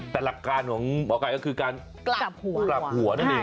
แต่หลักการของหมอไก่ก็คือการกลับหัวได้เนี่ย